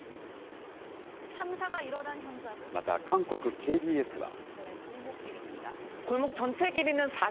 また、韓国ＫＢＳは。